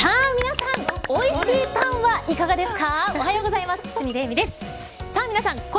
さあ皆さんおいしいパンはいかがですか。